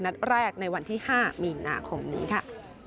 นัดแรกในวันที่๕มีนาคมนี้ค่ะ